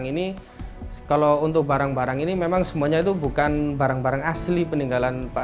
ini kalau untuk barang barang ini memang semuanya itu bukan barang barang asli peninggalan pak